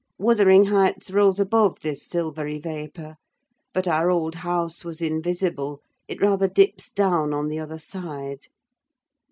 Wuthering Heights rose above this silvery vapour; but our old house was invisible; it rather dips down on the other side.